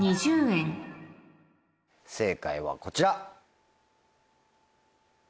正解はこちら。